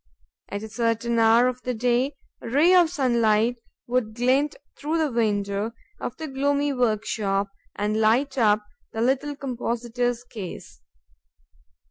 At a certain hour of the day, a ray of sunlight would glint through the window of the gloomy workshop and light up the little compositor's case.